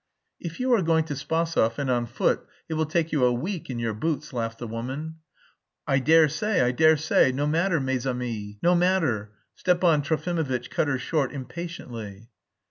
"If you are going to Spasov and on foot, it will take you a week in your boots," laughed the woman. "I dare say, I dare say, no matter, mes amis, no matter." Stepan Trofimovitch cut her short impatiently.